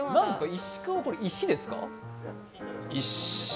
石川は、石ですか？